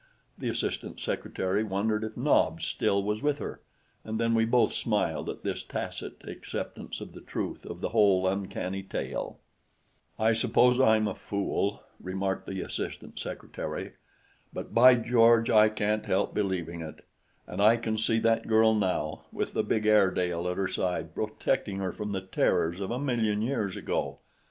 The assistant secretary wondered if Nobs still was with her, and then we both smiled at this tacit acceptance of the truth of the whole uncanny tale: "I suppose I'm a fool," remarked the assistant secretary; "but by George, I can't help believing it, and I can see that girl now, with the big Airedale at her side protecting her from the terrors of a million years ago.